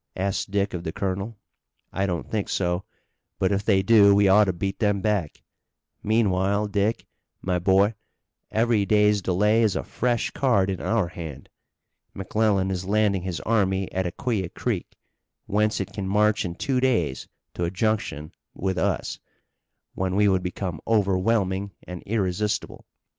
asked Dick of the colonel. "I don't think so, but if they do we ought to beat them back. Meanwhile, Dick, my boy, every day's delay is a fresh card in our hand. McClellan is landing his army at Aquia Creek, whence it can march in two days to a junction with us, when we would become overwhelming and irresistible.